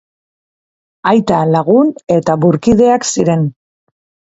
Aita, lagun eta burkideak ziren.